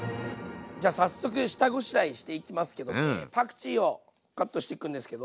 じゃあ早速下ごしらえしていきますけどもねパクチーをカットしていくんですけど。